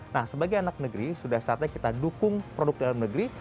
nah sebagai anak negeri sudah saatnya kita dukung produk dalam negeri